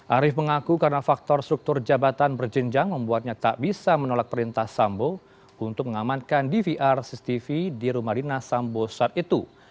arief mengaku karena faktor struktur jabatan berjenjang membuatnya tak bisa menolak perintah sambo untuk mengamankan dvr cctv di rumah dinas sambo saat itu